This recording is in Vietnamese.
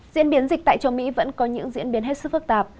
diễn biến dịch tại châu mỹ vẫn có những diễn biến hết sức phức tạp